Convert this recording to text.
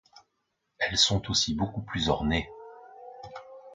Elles sont aussi beaucoup plus ornées.